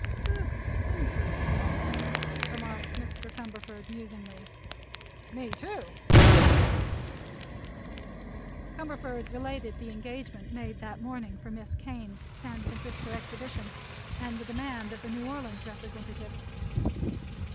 "This interests me," remarked Mr. Cumberford, musingly. "Me, also," said Chesty. Cumberford related the engagement made that morning for Miss Kane's San Francisco exhibition and the demand of the New Orleans representative.